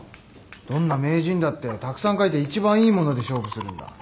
どんな名人だってたくさん書いて一番いいもので勝負するんだ。